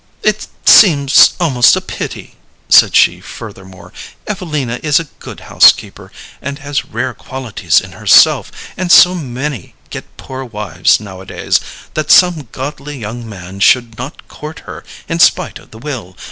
"It seems almost a pity," said she, furthermore "Evelina is a good housekeeper, and has rare qualities in herself, and so many get poor wives nowadays that some godly young man should not court her in spite of the will.